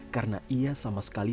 karena ia sama sekali